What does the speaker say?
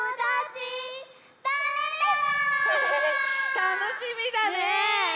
たのしみだね。